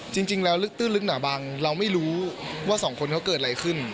จริงแล้วลึกตื้นลึกหนาบังเราไม่รู้ว่าสองคนเขาเกิดอะไรขึ้น